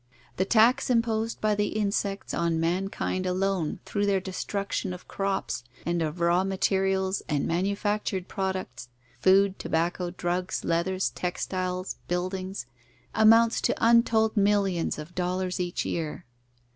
The tax imposed by the insects on mankind alone through their destruction of crops and of raw ma terials and manufactured products — food, tobacco, drugs, leathers, textiles, buildings — amounts to untold millions of dollars each year.